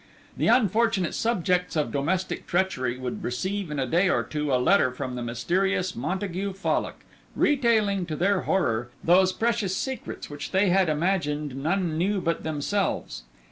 The unfortunate subjects of domestic treachery would receive in a day or two a letter from the mysterious Montague Fallock, retailing, to their horror, those precious secrets which they had imagined none knew but themselves.